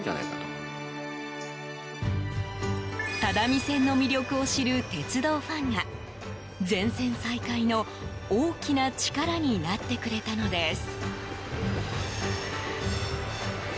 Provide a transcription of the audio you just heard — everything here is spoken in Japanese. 只見線の魅力を知る鉄道ファンが全線再開の大きな力になってくれたのです。